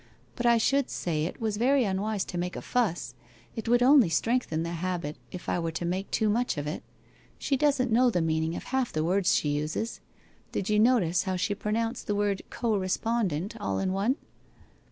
' But I should say it was very unwise to make a fuss. It would only strengthen the habit if 1 were to make too much of it. She doesn't know the meaning of half the words she uses. Did you notice how she pronounced the word co respondent — all in one?